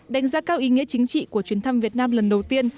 đánh giá cao ý nghĩa chính trị của chuyến thăm việt nam lần đầu tiên